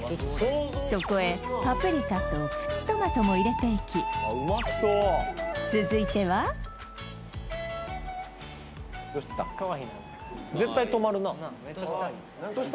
そこへパプリカとプチトマトも入れていき続いてはどうした？